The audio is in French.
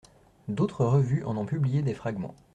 D'autres revues en ont publié des fragments.